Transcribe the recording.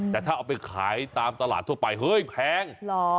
แต่ถ้าเอาไปขายตามตลาดทั่วไปเฮ้ยแพง